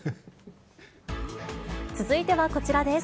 続いてはこちらです。